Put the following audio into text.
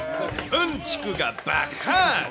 うんちくが爆発。